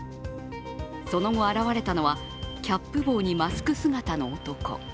その後、現れたのはキャップ帽にマスク姿の男。